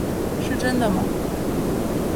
是真的吗？